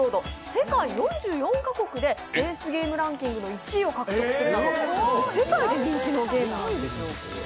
世界４４カ国でレースゲームランキングの１位を獲得するなど世界で人気のゲームなんです。